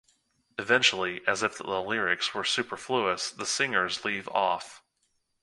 Eventually, as if the lyrics were superfluous, the singers leave off.